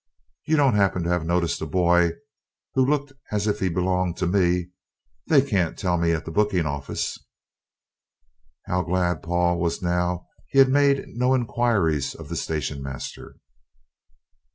You don't happen to have noticed a boy who looked as if he belonged to me? They can't tell me at the booking office." How glad Paul was now he had made no inquiries of the station master!